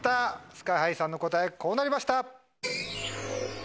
ＳＫＩ−ＨＩさんの答えこうなりました。